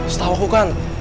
setahu aku kan